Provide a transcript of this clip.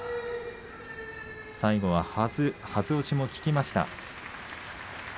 最後は、はず押しも効きました。